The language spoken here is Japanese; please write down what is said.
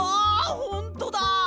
ほんとだ！